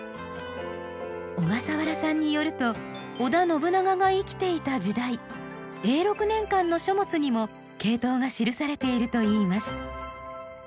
小笠原さんによると織田信長が生きていた時代永禄年間の書物にもケイトウが記されているといいます。